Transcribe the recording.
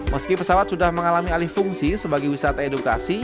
meski pesawat sudah mengalami alih fungsi sebagai wisata edukasi